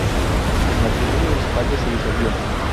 El matrimonio de sus padres se disolvió.